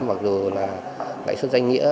mặc dù lãi suất danh nghĩa